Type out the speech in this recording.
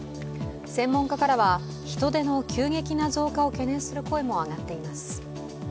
専門家からは人出の急激な増加を懸念する声も上がっています。